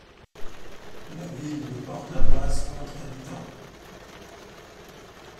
La ville de Portlaoise compte habitants.